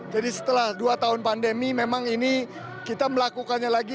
jadi setelah dua tahun pandemi memang ini kita melakukannya lagi